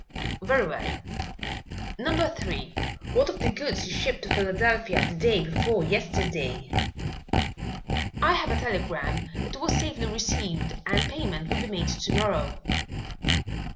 "Very well. Number Three, what of the goods you shipped to Philadelphia day before yesterday?" "I have a telegram that it was safely received and payment will be made to morrow."